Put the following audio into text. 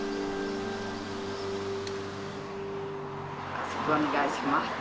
よろしくお願いします。